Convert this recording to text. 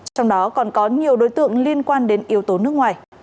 trong đó còn có nhiều đối tượng liên quan đến yếu tố nước ngoài